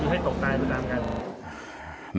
ให้ตกตายเหมือนกัน